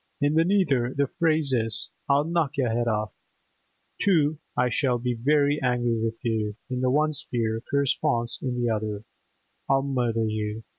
in the nether the phrase is, 'I'll knock yer 'ed orff!' To 'I shall be very angry with you' in the one sphere, corresponds in the other, 'I'll murder you!